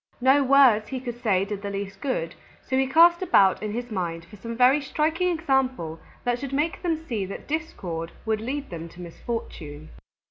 No words he could say did the least good, so he cast about in his mind for some very striking example that should make them see that discord would lead them to misfortune.